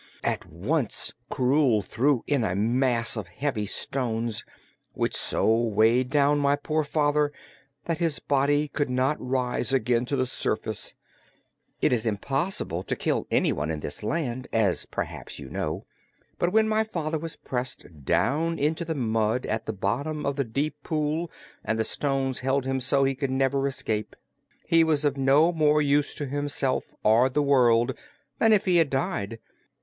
At once Krewl threw in a mass of heavy stones, which so weighted down my poor father that his body could not rise again to the surface. It is impossible to kill anyone in this land, as perhaps you know, but when my father was pressed down into the mud at the bottom of the deep pool and the stones held him so he could never escape, he was of no more use to himself or the world than if he had died.